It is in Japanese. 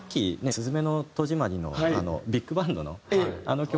『すずめの戸締まり』のビッグバンドのあの曲。